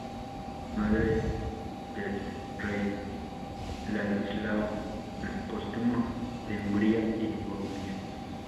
Madre del rey Ladislao el Póstumo de Hungría y Bohemia.